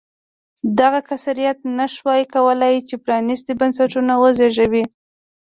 دغه کثرت نه شوای کولای چې پرانېستي بنسټونه وزېږوي.